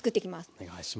お願いします。